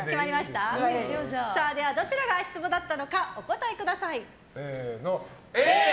どちらが足ツボだったのかお答えください。